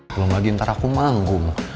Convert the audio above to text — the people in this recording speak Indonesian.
belum lagi ntar aku manggung